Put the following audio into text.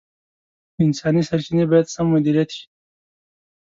انساني سرچیني باید سم مدیریت شي.